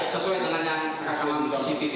sesuai dengan yang terkawal di cctv